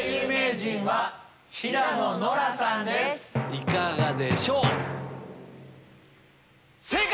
いかがでしょう？